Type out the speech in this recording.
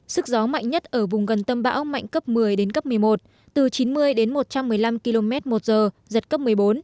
sức gió mạnh nhất ở vùng gần tâm bão mạnh cấp một mươi đến cấp một mươi một từ chín mươi đến một trăm một mươi năm km một giờ giật cấp một mươi bốn